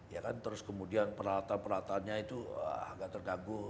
ya kan terus kemudian peralatan peralatannya itu agak terganggu